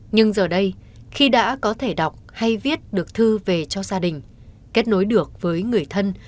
nhưng giờ đây khi đã có thể đọc hay viết được thư về cho gia đình kết nối được với người thân